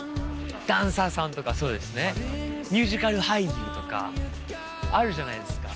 「ダンサー」さんとかそうですね「ミュージカル俳優」とかあるじゃないですか。